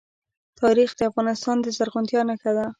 تاریخ د افغانستان د زرغونتیا نښه ده.